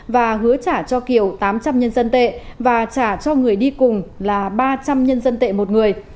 và hứa trả cho kiều tám trăm linh nhân dân tệ và trả cho người đi cùng là ba trăm linh nhân dân tệ một người